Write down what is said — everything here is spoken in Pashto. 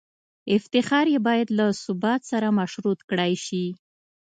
افتخار یې باید له ثبات سره مشروط کړای شي.